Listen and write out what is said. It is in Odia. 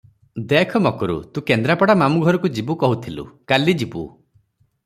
ଦେଖ ମକରୁ, ତୁ କେନ୍ଦ୍ରାପଡ଼ା ମାମୁ ଘରକୁ ଯିବୁ କହୁଥିଲୁ, କାଲି ଯିବୁ ।